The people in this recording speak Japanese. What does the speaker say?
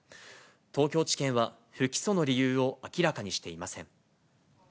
東京地検は不起訴の理由を明らかにしていません。